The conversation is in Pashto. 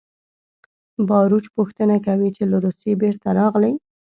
باروچ پوښتنه کوي چې له روسیې بېرته راغلې